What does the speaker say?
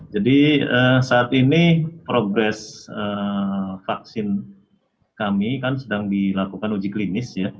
jadi saat ini progres vaksin kami kan sedang dilakukan uji klinis ya